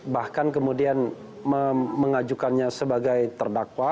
bahkan kemudian mengajukannya sebagai terdakwa